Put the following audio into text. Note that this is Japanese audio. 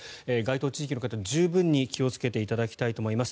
該当地域の方、十分に気をつけていただきたいと思います。